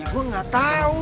gue gak tau